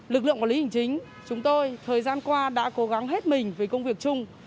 lực lượng quản lý hành chính chúng tôi thời gian qua đã cố gắng hết mình với công việc chung